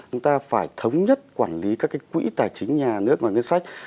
chúng ta phải thống nhất quản lý các cái quỹ tài chính nhà nước và ngân sách